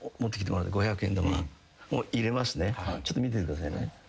ちょっと見ててくださいね。